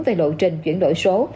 về lộ trình chuyển đổi số